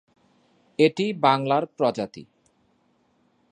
এটি বাংলার প্রজাতি।